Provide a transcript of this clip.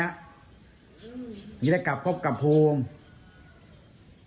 อย่างงี้แหละกลับครบกับภูมิ